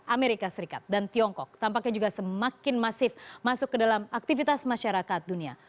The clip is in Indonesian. amerika serikat dan tiongkok tampaknya juga semakin masif masuk ke dalam aktivitas masyarakat dunia